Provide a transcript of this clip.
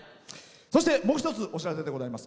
そして、もう一つお知らせでございます。